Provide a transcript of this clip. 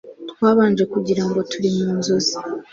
twabanje kugira ngo turi mu nzozi